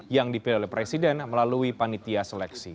yang dipilih oleh presiden melalui panitia seleksi